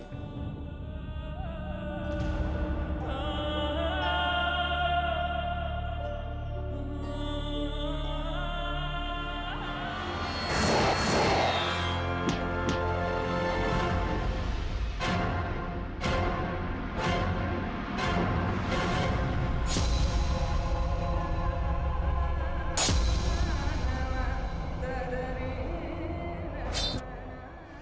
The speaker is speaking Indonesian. kau tidak akan menang